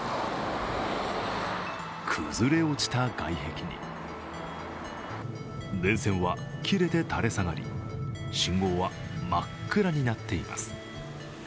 崩れ落ちた外壁に電線は切れて垂れ下がり信号は真っ暗になっています。